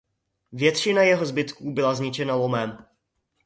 Většina jeho zbytků byla zničena lomem.